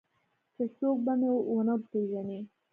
چې څوک به مې ونه پېژني.